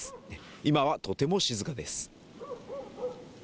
今はとても静かです。